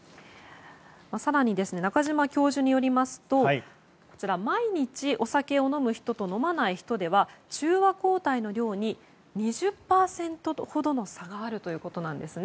更に中島教授によりますと毎日お酒を飲む人と飲まない人では中和抗体の量に２０％ほどの差があるということなんですね。